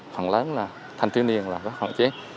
hoạn lớn là thành tư niên là hoạn chế